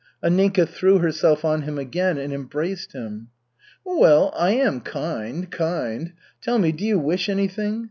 Anninka threw herself on him again and embraced him. "Well, I am kind, kind. Tell me, do you wish anything?